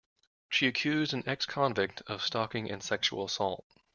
She accused an ex-convict of stalking and sexual assault.